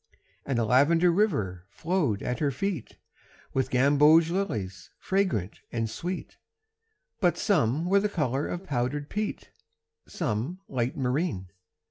And a lavender river flowed at her feet With gamboge lilies fragrant and sweet, But some were the color of powdered peat, Some light marine.